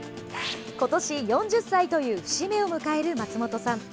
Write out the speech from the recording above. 今年、４０歳という節目を迎える松本さん。